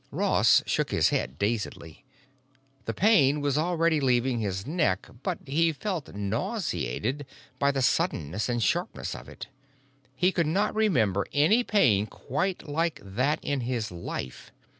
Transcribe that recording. Ross shook his head dazedly. The pain was already leaving his neck, but he felt nauseated by the suddenness and sharpness of it; he could not remember any pain quite like that in his life.